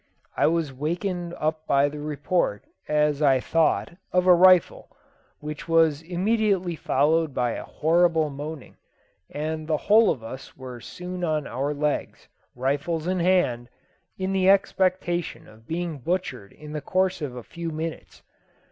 I was wakened up by the report, as I thought, of a rifle, which was immediately followed by a horrible moaning, and the whole of us were soon on our legs, rifles in hand, in the expectation of being butchered in the course of a few minutes.